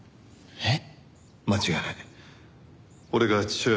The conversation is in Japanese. えっ？